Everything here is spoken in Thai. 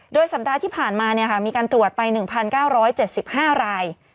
โดยสัปดาห์ที่ผ่านมามีการตรวจไป๑๙๗๕ราย